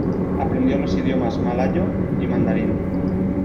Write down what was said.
Aprendió los idioma malayo y mandarín.